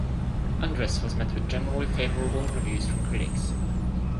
Undress was met with generally favorable reviews from critics.